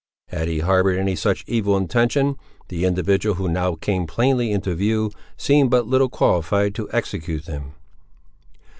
Had he harboured any such evil intention, the individual who now came plainly into view, seemed but little qualified to execute them.